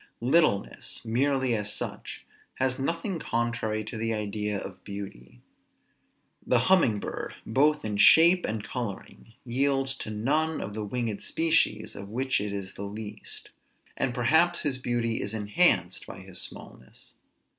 Littleness, merely as such, has nothing contrary to the idea of beauty. The humming bird, both in shape and coloring, yields to none of the winged species, of which it is the least; and perhaps his beauty is enhanced by his smallness.